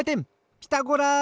「ピタゴラ」！